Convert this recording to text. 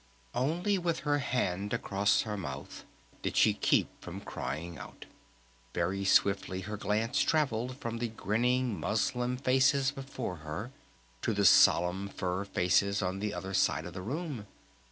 Only with her hand across her mouth did she keep from crying out. Very swiftly her glance traveled from the grinning muslin faces before her to the solemn fur faces on the other side of the room.